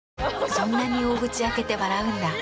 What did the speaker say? そんなに大口開けて笑うんだ。